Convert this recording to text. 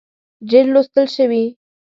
ډېر لوستل شوي